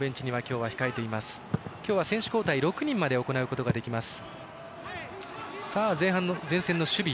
今日は選手交代６人まで行うことができます。